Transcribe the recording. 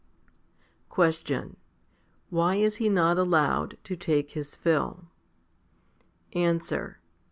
8. Question. Why is he not allowed to take his fill ? Answer.